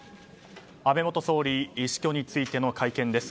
安倍元総理死去についての会見です。